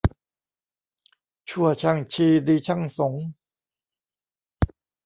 ชั่วช่างชี ดีช่างสงฆ์